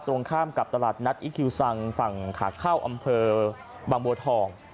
ตรงข้ามกับตลาดนัดอีคิวซังฝั่งขาเข้าอำเภอบางบัวทอง